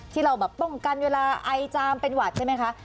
ที่เราแบบป้องกันเวลาไอจามเป็นหวัดใช่ไหมคะ